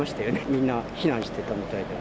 みんな避難していたみたいで。